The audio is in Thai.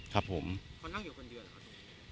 เขานั่งอยู่คนเดียวหรือครับ